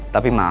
tapi maaf pak